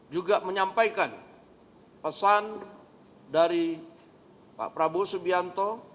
juga menyampaikan pesan dari pak prabowo subianto